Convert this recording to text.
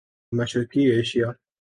مشرقی ایشیا